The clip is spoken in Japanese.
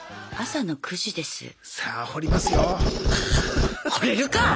朝の９時です。